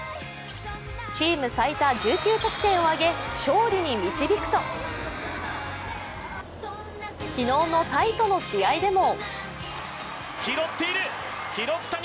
チーム最多１９得点を挙げ、勝利に導くと昨日のタイとの試合でも。